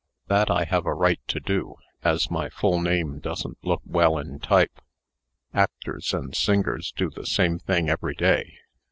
That I have a right to do, as my full name doesn't look well in type. Actors and singers do the same thing every day.